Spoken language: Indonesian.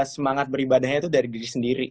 semangat beribadahnya itu dari diri sendiri